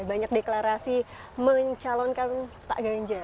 banyak deklarasi mencalonkan pak ganjar